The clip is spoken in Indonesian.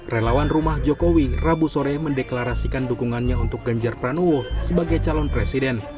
relawan rumah jokowi rabu sore mendeklarasikan dukungannya untuk ganjar pranowo sebagai calon presiden